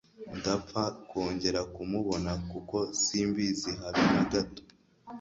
Ndapfa kongera kumubona kuko simbisi habe n'agato.